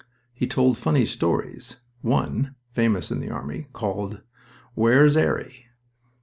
He told funny stories one, famous in the army, called "Where's 'Arry?"